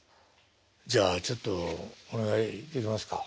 じゃあちょっとお願いできますか。